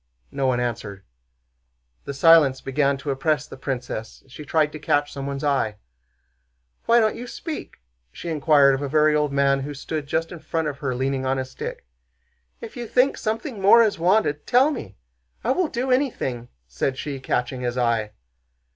No one answered. The silence began to oppress the princess and she tried to catch someone's eye. "Why don't you speak?" she inquired of a very old man who stood just in front of her leaning on his stick. "If you think something more is wanted, tell me! I will do anything," said she, catching his eye.